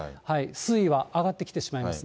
水位は上がってきてしまいます。